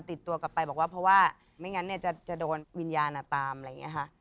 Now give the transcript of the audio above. ติดตัวกลับไปบอกว่าเพราะว่าไม่งั้นเนี่ยจะโดนวิญญาณตามอะไรอย่างนี้ค่ะ